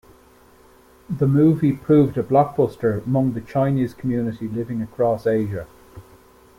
The movie proved a blockbuster among the Chinese community living across Asia.